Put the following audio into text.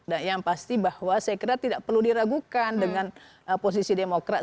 dan yang pasti bahwa saya kira tidak perlu diragukan dengan posisi demokrat